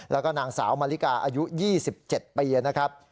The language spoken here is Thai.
แล้วก็นางสาวมาริกาอายุ๒๗ปีนะครับ